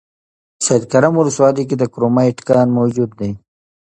سیدکرم ولسوالۍ کې د کرومایټ کان موجود ده